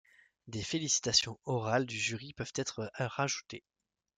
Des félicitations orales du jury peuvent être rajoutées.